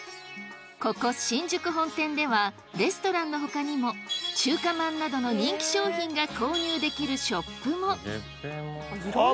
ここ新宿本店ではレストランの他にも中華まんなどの人気商品が購入できるショップもあぁ